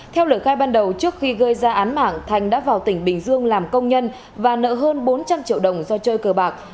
theo lời khai ban đầu trước khi gây ra án mạng thành đã vào tỉnh bình dương làm công nhân và nợ hơn bốn trăm linh triệu đồng do chơi cờ bạc